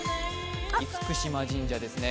厳島神社ですね